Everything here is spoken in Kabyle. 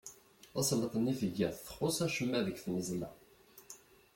Tasleḍt-nni tgiḍ txuṣṣ acemma deg tmeẓla.